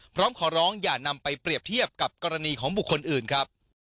พร้อมขอร้องอย่านำไปเปรียบเทียบกับกรณีของบุคคลอื่นครับ